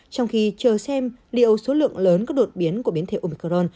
trong khi chờ xem liệu số lượng lớn các đột biến của biến thể umcron